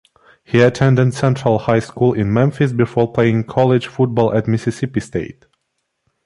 He attended Central High School in Memphis before playing college football at Mississippi State.